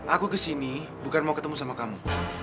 aku kesini bukan mau ketemu sama kamu